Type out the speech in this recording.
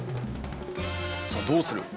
さあどうする？